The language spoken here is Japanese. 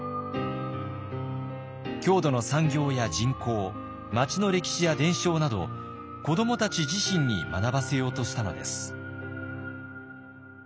郷土の産業や人口町の歴史や伝承など子どもたち自身に学ばせようとしたのです。